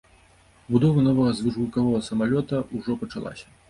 Пабудова новага звышгукавога самалёта ўжо пачалася.